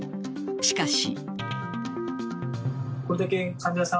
しかし。